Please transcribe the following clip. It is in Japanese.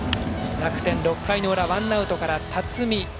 楽天、６回の裏ワンアウトから辰己。